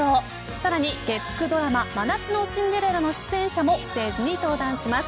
さらに月９ドラマ真夏のシンデレラの出演者もステージに登壇します。